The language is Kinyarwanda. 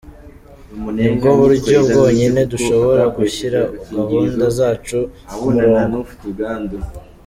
Nibwo buryo bwonyine dushobora gushyira gahunda zacu ku murongo.